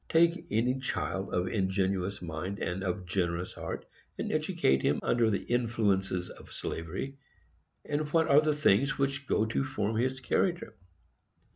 Take any child of ingenuous mind and of generous heart, and educate him under the influences of slavery, and what are the things which go to form his character?